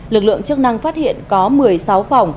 lực lượng chức năng phát hiện có một mươi sáu phòng